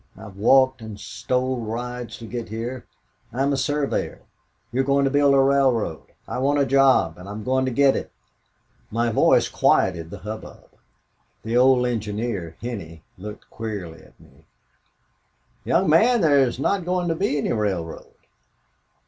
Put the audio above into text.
I've walked and stole rides to get here. I'm a surveyor. You're going to build a railroad. I want a job and I'm going to get it.' "My voice quieted the hubbub. The old engineer, Henney, looked queerly at me. "'Young man, there's not going to be any railroad.